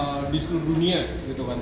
di seluruh dunia gitu kan